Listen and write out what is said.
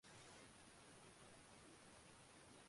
代兰让。